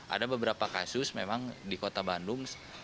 ada beberapa kasus memang di kota bandung